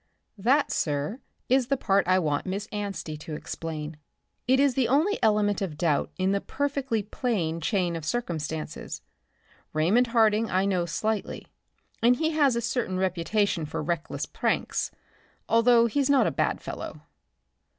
"That, sir, is the part I want Miss Anstey to explain. It is the only element of doubt in a perfectly plain chain of circumstances. Raymond Harding I know slightly, and he has a certain reputation for reckless pranks, although he's not a bad fellow."